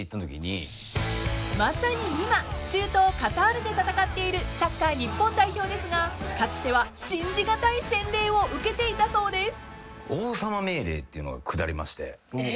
［まさに今中東カタールで戦っているサッカー日本代表ですがかつては信じがたい洗礼を受けていたそうです］